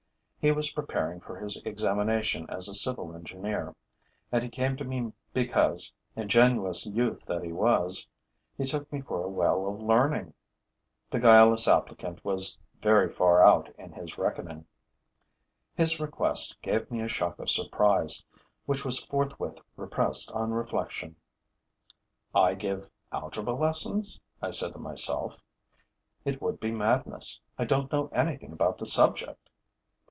He was preparing for his examination as a civil engineer; and he came to me because, ingenuous youth that he was, he took me for a well of learning. The guileless applicant was very far out in his reckoning. His request gave me a shock of surprise, which was forthwith repressed on reflection: 'I give algebra lessons?' said I to myself. 'It would be madness: I don't know anything about the subject!'